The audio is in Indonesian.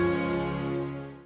baiklah k matter ratu